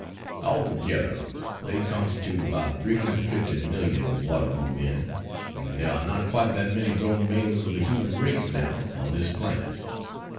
Altogether they constitute about 350 million Waterloo men, and there are not quite that many grown males of the human race now on this planet.